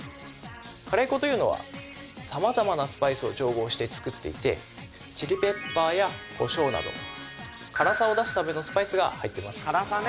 カレー粉というのは様々なスパイスを調合して作っていてチリペッパーやコショウなど辛さを出すためのスパイスが入っています